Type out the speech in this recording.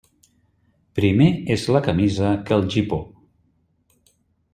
Primer és la camisa que el gipó.